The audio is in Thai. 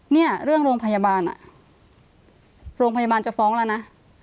เนี่ยเรื่องโรงพยาบาลโรงพยาบาลจะฟ้องแล้วนะ